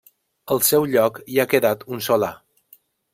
Al seu lloc hi ha quedat un solar.